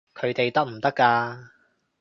佢哋得唔得㗎？